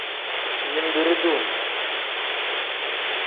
Zinbiri-duu.